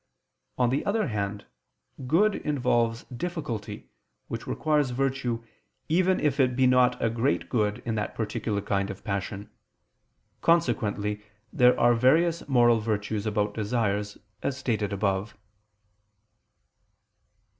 On the other hand, good involves difficulty, which requires virtue, even if it be not a great good in that particular kind of passion. Consequently there are various moral virtues about desires, as stated above.